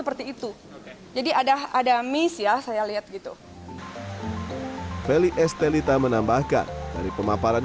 perlu dikaji ulang